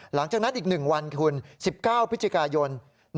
หลังจากนั้นอีก๑วันคุณ๑๙พฤศจิกายน